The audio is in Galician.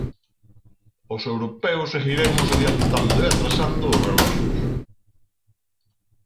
Os europeos seguiremos adiantando e atrasando os reloxos.